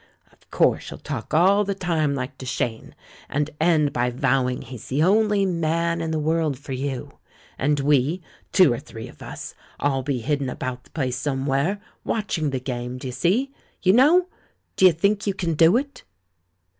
Of course you'll talk all the time like Duchene, and end by vowing he's the only man in the w^orld for you ! And we — two or three of us — '11 be hidden about the place somewhere, watching the game — d'ye see? Fow^know! D'ye think you can do it?"